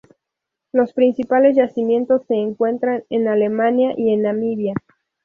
Los principales yacimientos se encuentran en Alemania y en Namibia.